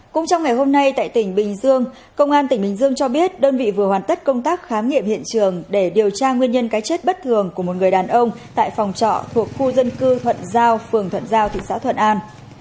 cũng trong ngày hôm nay tại tỉnh bình dương công an tỉnh bình dương cho biết đơn vị vừa hoàn tất công tác khám nghiệm hiện trường để điều tra nguyên nhân cái chết bất thường của một người đàn ông tại phòng trọ thuộc khu dân cư thuận giao phường thuận giao thị xã thuận an